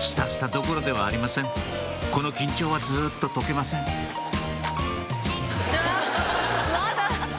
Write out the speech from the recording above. スタスタどころではありませんこの緊張はずっと解けませんあっまだ！